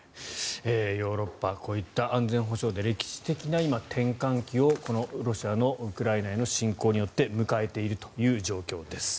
ヨーロッパこういった安全保障で歴史的な今、転換期をこのロシアのウクライナへの侵攻によって迎えているという状況です。